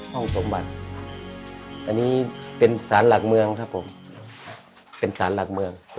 ห้องสมบัติอันนี้เป็นสารหลักเมืองครับผมเป็นสารหลักเมือง